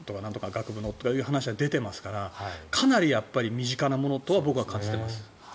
学部のとかという話は出ていますからかなり身近なものとは僕は感じています。